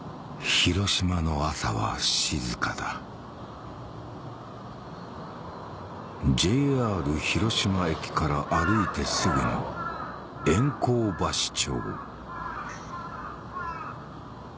広島の朝は静かだＪＲ広島駅から歩いてすぐの猿猴橋町